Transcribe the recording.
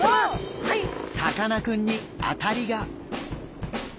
さかなクンに当たりが！